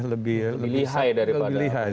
lebih lihai daripada